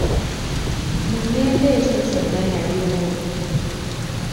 Mu ngendo ezo zonna yaliwo.